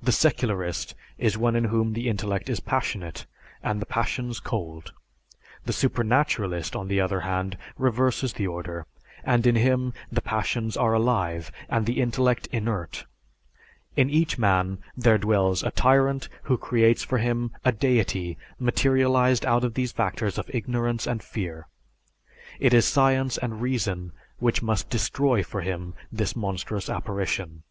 The secularist is one in whom the intellect is passionate, and the passions cold. The supernaturalist on the other hand reverses the order, and in him the passions are active and the intellect inert. In each man there dwells a tyrant who creates for him a deity materialized out of these factors of ignorance and fear. It is science and reason which must destroy for him this monstrous apparition.